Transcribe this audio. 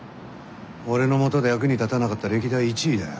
俺の下で役に立たなかった歴代１位だよ。